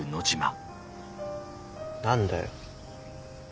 何だよ。